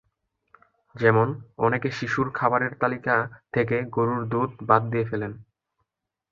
যেমন, অনেকে শিশুর খাবারের তালিকা থেকে গরুর দুধ বাদ দিয়ে ফেলেন।